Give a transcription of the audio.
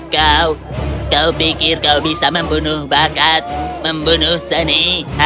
kau kau pikir kau bisa membunuh bakat membunuh seni